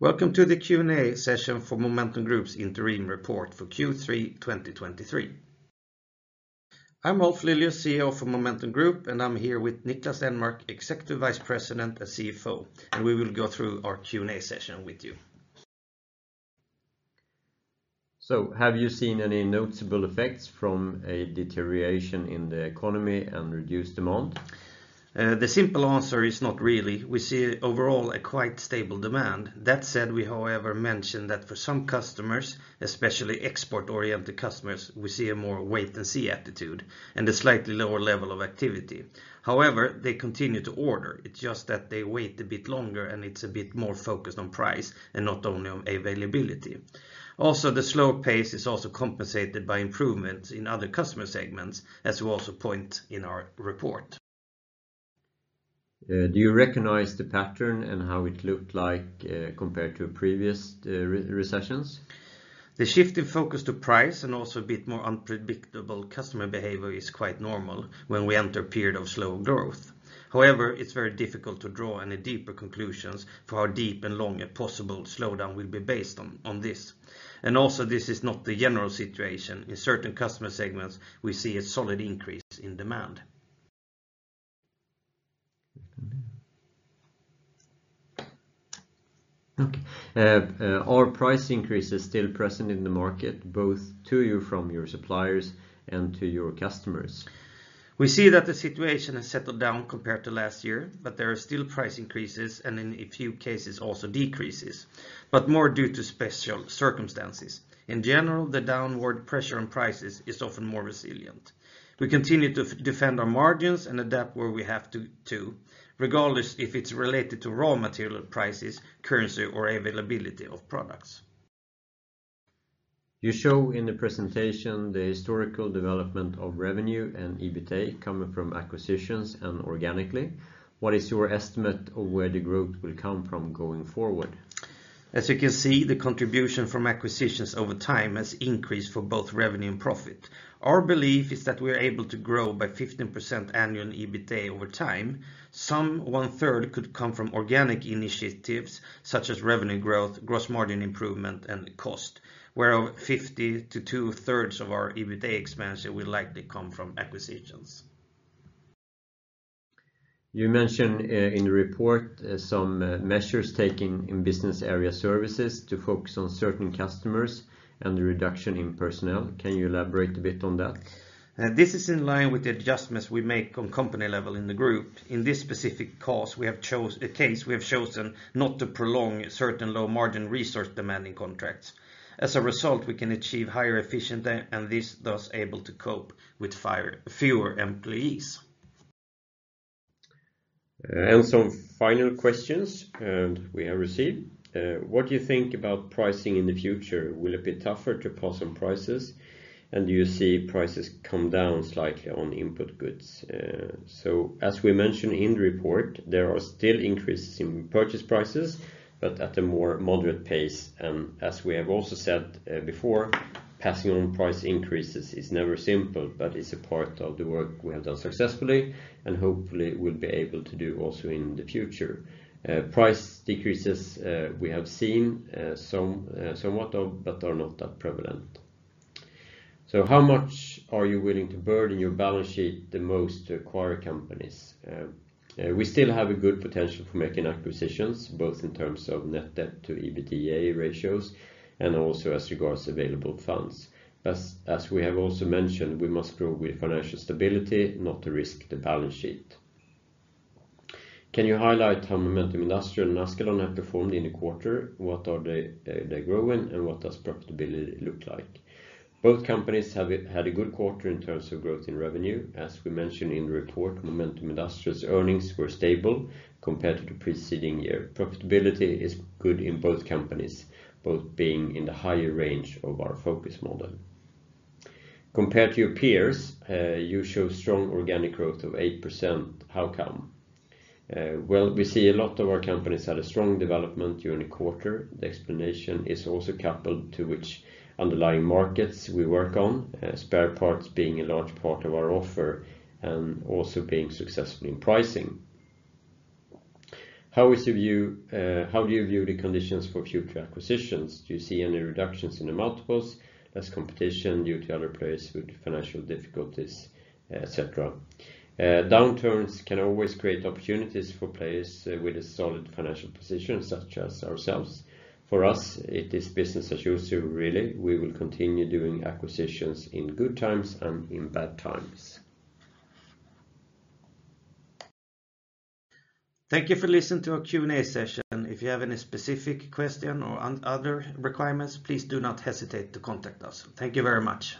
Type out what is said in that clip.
Welcome to the Q&A session for Momentum Group's interim report for Q3 2023. I'm Ulf Lilius, CEO for Momentum Group, and I'm here with Niklas Enmark, Executive Vice President and CFO, and we will go through our Q&A session with you. Have you seen any noticeable effects from a deterioration in the economy and reduced demand? The simple answer is not really. We see overall a quite stable demand. That said, we however mention that for some customers, especially export-oriented customers, we see a more wait and see attitude and a slightly lower level of activity. However, they continue to order. It's just that they wait a bit longer, and it's a bit more focused on price and not only on availability. Also, the slower pace is also compensated by improvements in other customer segments, as we also point in our report. Do you recognize the pattern and how it looked like compared to previous recessions? The shift in focus to price and also a bit more unpredictable customer behavior is quite normal when we enter a period of slow growth. However, it's very difficult to draw any deeper conclusions for how deep and long a possible slowdown will be based on this. Also, this is not the general situation. In certain customer segments, we see a solid increase in demand. Okay. Are price increases still present in the market, both to you from your suppliers and to your customers? We see that the situation has settled down compared to last year, but there are still price increases, and in a few cases also decreases, but more due to special circumstances. In general, the downward pressure on prices is often more resilient. We continue to defend our margins and adapt where we have to, regardless if it's related to raw material prices, currency, or availability of products. You show in the presentation the historical development of revenue and EBITA coming from acquisitions and organically. What is your estimate of where the growth will come from going forward? As you can see, the contribution from acquisitions over time has increased for both revenue and profit. Our belief is that we are able to grow by 15% annual EBITA over time. One-third could come from organic initiatives such as revenue growth, gross margin improvement, and cost, where 50% to two-thirds of our EBITA expansion will likely come from acquisitions. You mentioned in the report some measures taking in business area services to focus on certain customers and the reduction in personnel. Can you elaborate a bit on that? This is in line with the adjustments we make on company level in the group. In this specific case, we have chosen not to prolong certain low-margin resource-demanding contracts. As a result, we can achieve higher efficiency and thus able to cope with fewer employees. Some final questions we have received. What do you think about pricing in the future? Will it be tougher to pass on prices? Do you see prices come down slightly on input goods? As we mentioned in the report, there are still increases in purchase prices, but at a more moderate pace. As we have also said before, passing on price increases is never simple, but it's a part of the work we have done successfully and hopefully will be able to do also in the future. Price decreases, we have seen somewhat of, but are not that prevalent. How much are you willing to burden your balance sheet the most to acquire companies? We still have a good potential for making acquisitions, both in terms of net debt to EBITA ratios and also as regards available funds. As we have also mentioned, we must grow with financial stability, not to risk the balance sheet. Can you highlight how Momentum Industrial and Askalon have performed in the quarter? What are they growing, and what does profitability look like? Both companies have had a good quarter in terms of growth in revenue. As we mentioned in the report, Momentum Industrial's earnings were stable compared to the preceding year. Profitability is good in both companies, both being in the higher range of our focus model. Compared to your peers, you show strong organic growth of 8%. How come? Well, we see a lot of our companies had a strong development during the quarter. The explanation is also coupled to which underlying markets we work on, spare parts being a large part of our offer and also being successful in pricing. How do you view the conditions for future acquisitions? Do you see any reductions in the multiples, less competition due to other players with financial difficulties, et cetera? Downturns can always create opportunities for players with a solid financial position such as ourselves. For us, it is business as usual, really. We will continue doing acquisitions in good times and in bad times. Thank you for listening to our Q&A session. If you have any specific question or other requirements, please do not hesitate to contact us. Thank you very much.